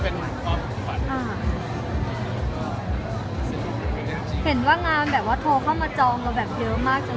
เห็นว่างานแบบว่าโทรเข้ามาจองเราแบบเยอะมากจน